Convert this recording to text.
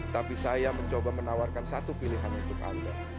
tapi saya mencoba menawarkan satu pilihan untuk anda